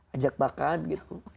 ajak makan gitu